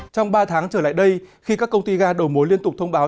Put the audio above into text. trong ba tháng trở lại đây khi các công ty ga đầu mối liên tục thông báo